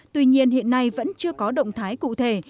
tuy nhiên hiện nay vẫn chưa có động thái cụ thể